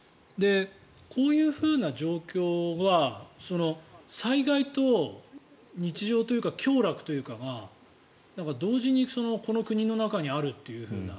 こういうふうな状況が災害と日常というか享楽というのが同時にこの国の中にあるというふうな。